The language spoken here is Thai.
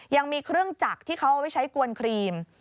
ยังมีเครื่องจักรที่เขาเอาไว้ใช้กวนครีม